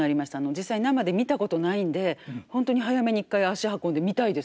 実際生で見たことないんでホントに早めに１回足運んで見たいですね。